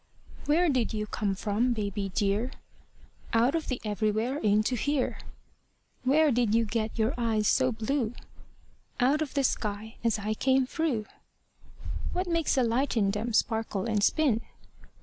Where did you come from, baby dear? Out of the everywhere into here. Where did you get your eyes so blue? Out of the sky as I came through. What makes the light in them sparkle and spin?